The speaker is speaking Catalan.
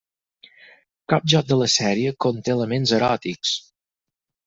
Cap joc de la sèrie conté elements eròtics.